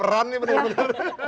itu penumpangnya yang berbaperan nih